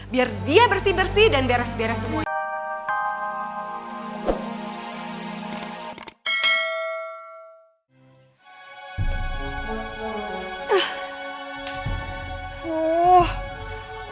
biar dia bersih bersih dan beres beres semuanya